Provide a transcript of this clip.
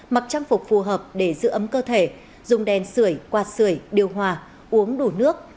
mặc trang phục phù hợp để giữ ấm cơ thể dùng đèn sửa quạt sửa điều hòa uống đủ nước